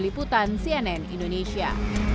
liputan cnn indonesia